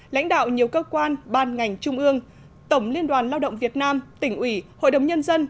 lãnh đạo nhiều cơ quan ban ngành trung ương tổng liên đoàn lao động việt nam tỉnh ủy hội đồng nhân dân